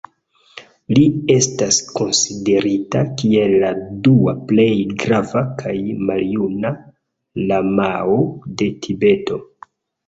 Li estas konsiderita kiel la dua plej grava kaj maljuna lamao de Tibeto.